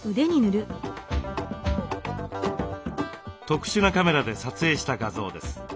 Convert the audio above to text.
特殊なカメラで撮影した画像です。